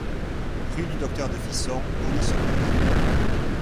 Rue du Docteur de Fisson, Bogny-sur-Meuse